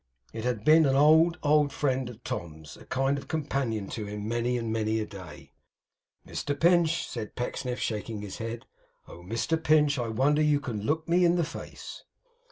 It had been an old, old friend of Tom's; a kind companion to him, many and many a day. 'Mr Pinch,' said Pecksniff, shaking his head; 'oh, Mr Pinch! I wonder you can look me in the face!